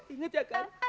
ingat ya kan